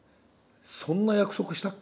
「そんな約束したっけ？」